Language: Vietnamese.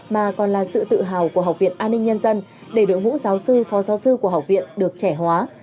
mà còn là sự tự hào của học viện an ninh nhân dân để đội ngũ giáo sư phó giáo sư của học viện được trẻ hóa